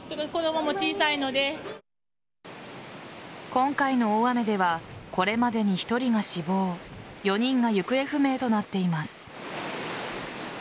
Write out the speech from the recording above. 今回の大雨ではこれまでに１人が死亡４人が行方不明となっています。